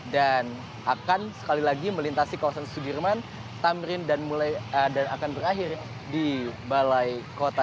dan akan sekali lagi melintasi kawasan sudirman tamrin dan akan berakhir di balai kota